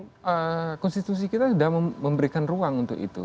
karena konstitusi kita sudah memberikan ruang untuk itu